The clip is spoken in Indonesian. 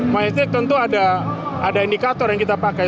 mau hat trick tentu ada indikator yang kita pakai